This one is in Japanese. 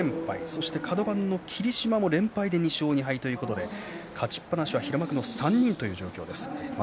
そしてカド番の霧島も連敗で２勝２敗ということで勝ちっぱなしは平幕の３人という状態です。